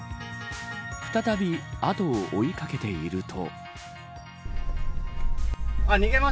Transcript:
再び後を追い掛けていると。